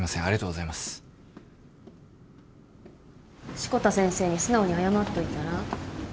志子田先生に素直に謝っといたら？